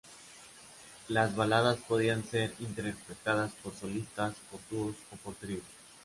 Las baladas podían ser interpretadas por solistas, por dúos o por tríos.